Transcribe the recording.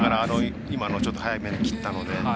今のちょっと早めに切ったので。